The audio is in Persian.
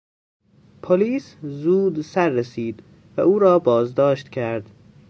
پلیس زود سررسید و او را بازداشت کرد.